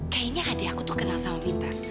kayaknya adik aku tuh kenal sama pintar